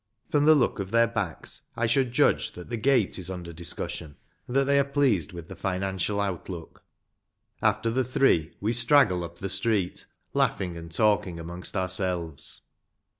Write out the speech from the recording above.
From the look of their backs, I should judge that the " gate " is under discussion, and that they are pleased with the financial outlook. After the three we straggle up the street, laughing and talking amongst ourselves.